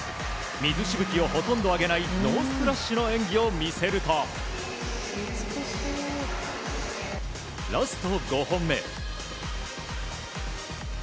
水しぶきをほとんど上げないノースプラッシュの演技を見せるとラスト５本目。